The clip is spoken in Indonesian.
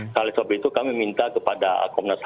kali soal itu kami minta kepada komunikasi